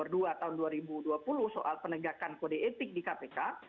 dua tahun dua ribu dua puluh soal penegakan kode etik di kpk